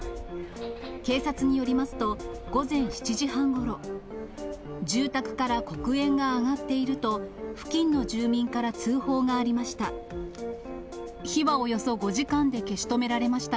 警察によりますと、午前７時半ごろ、住宅から黒煙が上がっていると、付近の住民から通報がありました。